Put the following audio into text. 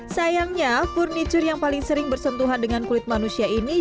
sayangnya furniture yang paling sering bersentuhan dengan kulit manusia ini